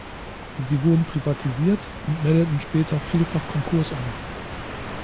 Sie wurden privatisiert und meldeten später vielfach Konkurs an.